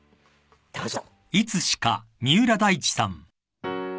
どうぞ。